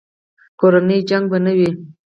کورنۍ جګړې به نه وې.